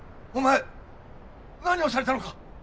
お前何をされたのか？